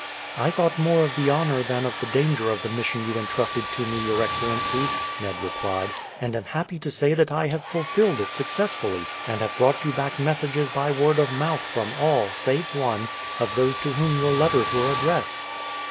"I thought more of the honour than of the danger of the mission you intrusted to me, your excellency," Ned replied, "and am happy to say that I have fulfilled it successfully, and have brought you back messages by word of mouth from all, save one, of those to whom your letters were addressed."